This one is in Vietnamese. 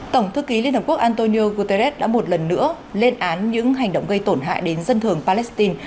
tổng thư ký liên hợp quốc antonio guterres đã một lần nữa lên án những hành động gây tổn hại đến dân thường palestine